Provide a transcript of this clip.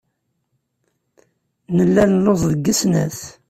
Nella nelluẓ deg snat.